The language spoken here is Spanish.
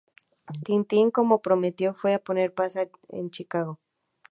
Tintín, como prometió, fue a poner paz en Chicago.